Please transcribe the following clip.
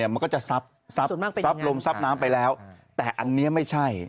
มันก็จะซับลมซับน้ำไปแล้วแต่อันนี้ไม่ใช่